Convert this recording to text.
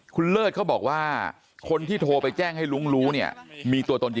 คุณเลิศเขาบอกว่าคนที่โทรไปแจ้งให้ลุงรู้เนี่ยมีตัวตนจริง